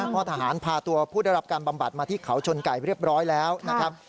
พ่อทหารพาตัวผู้ได้รับการบำบัดมาที่เขาชนไก่เรียบร้อยแล้วนะครับ